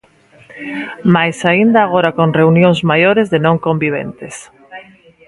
Máis aínda agora con reunións maiores de non conviventes.